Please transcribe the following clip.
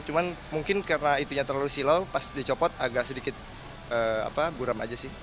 cuman mungkin karena itunya terlalu silau pas dicopot agak sedikit buram aja sih